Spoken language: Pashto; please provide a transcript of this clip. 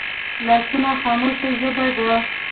لاسونه خاموشه ژبه ده